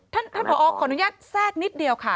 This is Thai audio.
ท่านผอขออนุญาตแทรกนิดเดียวค่ะ